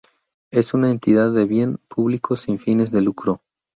Es una Entidad de Bien Público sin fines de lucro.